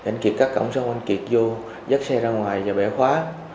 anh kiệt cắt cổng xong anh kiệt vô dắt xe ra ngoài và bẻ khóa